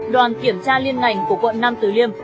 đoàn kiểm tra liên ngành của quận nam tử liêm